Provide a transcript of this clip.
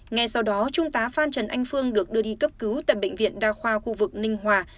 ngay sau đó trung tá phan trần anh phương được đưa đi cấp cứu tại bệnh viện đa khoa khu vực ninh hòa